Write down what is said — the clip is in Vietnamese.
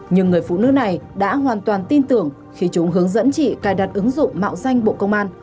nhưng người phụ nữ này đã hoàn toàn tin tưởng khi chúng hướng dẫn chị cài đặt ứng dụng mạo danh bộ công an